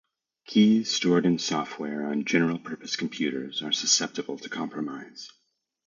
Keys stored in software on general-purpose computers are susceptible to compromise.